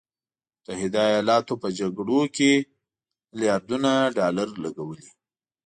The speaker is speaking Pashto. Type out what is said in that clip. متحده ایالاتو په جګړو کې میلیارډونه ډالر لګولي.